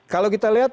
kalau kita lihat